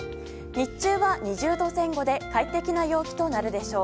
日中は２０度前後で快適な陽気となるでしょう。